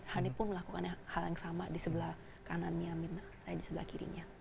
hani pun melakukan hal yang sama di sebelah kanannya mirna saya di sebelah kirinya